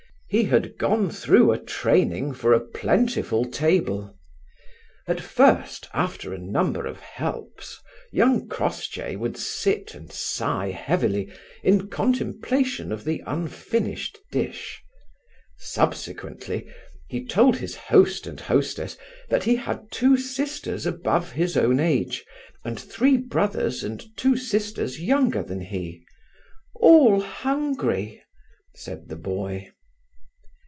He had gone through a training for a plentiful table. At first, after a number of helps, young Crossjay would sit and sigh heavily, in contemplation of the unfinished dish. Subsequently, he told his host and hostess that he had two sisters above his own age, and three brothers and two sisters younger than he: "All hungry!" said die boy.